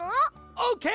オーケー！